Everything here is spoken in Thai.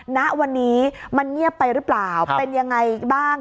ณวันนี้มันเงียบไปหรือเปล่าเป็นยังไงบ้าง